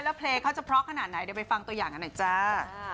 แล้วเพลงเขาจะเพราะขนาดไหนเดี๋ยวไปฟังตัวอย่างกันหน่อยจ้า